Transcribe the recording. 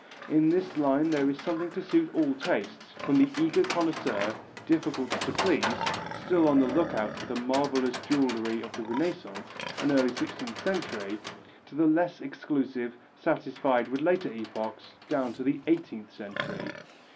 In this line there is something to suit all tastes, from the eager connoisseur, difficult to please, still on the look out for the marvellous jewellery of the Rennaissance and early sixteenth century, to the less exclusive, satisfied with later epochs down to the eighteenth century.